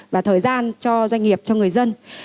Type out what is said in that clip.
và thời gian cho doanh nghiệp cho người dân